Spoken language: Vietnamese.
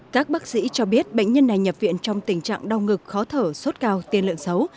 các bác sĩ cho biết bệnh nhân này nhập viện trong tình trạng đau ngực khó thở sốt cao tiền lượng xấu